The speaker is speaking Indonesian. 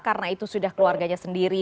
karena itu sudah keluarganya sendiri